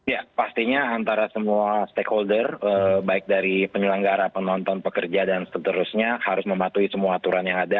ya pastinya antara semua stakeholder baik dari penyelenggara penonton pekerja dan seterusnya harus mematuhi semua aturan yang ada